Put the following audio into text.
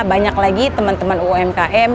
banyak lagi teman teman umkm